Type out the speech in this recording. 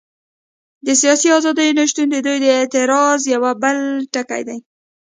د سیاسي ازادیو نه شتون د دوی د اعتراض یو بل ټکی دی.